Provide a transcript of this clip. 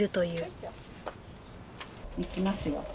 いきますよ。